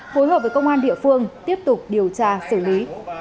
phối hợp với công an địa phương tiếp tục điều tra xử lý